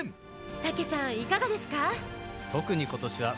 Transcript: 武さん、いかがですか？